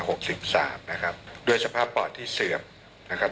ภาพันธ์นะครับ๒๖๖๓นะครับด้วยสภาพปอดที่เสือบนะครับ